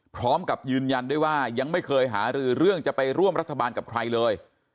พร้อมกับยืนยันด้วยว่ายังไม่เคยหารือเรื่องจะไปร่วมรัฐบาลกับใครเลย